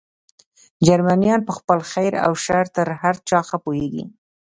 جرمنیان په خپل خیر او شر تر هر چا ښه پوهېږي.